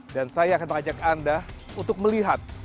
dan saya akan mengajak anda untuk melihat